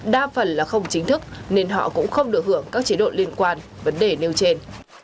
đa phần là không chính thức nên họ cũng không được hưởng các chế độ liên quan vấn đề nêu trên